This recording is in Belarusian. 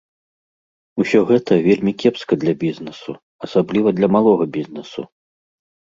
Усё гэта вельмі кепска для бізнэсу, асабліва для малога бізнэсу.